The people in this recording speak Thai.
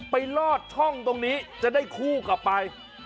ลอดช่องตรงนี้จะได้คู่กลับไป